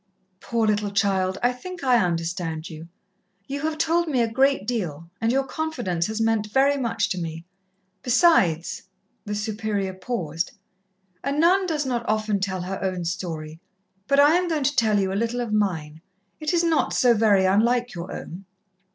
"Poor little child, I think I understand you. You have told me a great deal, and your confidence has meant very much to me. Besides " The Superior paused. "A nun does not often tell her own story, but I am going to tell you a little of mine. It is not so very unlike your own.